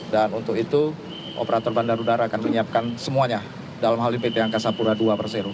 dan untuk itu operator bandar udara akan menyiapkan semuanya dalam hal ipt angkasa pura dua perseru